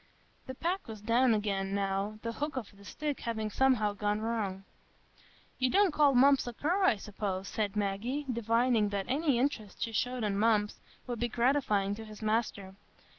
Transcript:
The pack was down again, now, the hook of the stick having somehow gone wrong. "You don't call Mumps a cur, I suppose?" said Maggie, divining that any interest she showed in Mumps would be gratifying to his master.